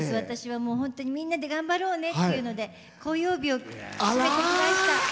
私はもうホントにみんなで頑張ろうねっていうのでこういう帯をしてきました。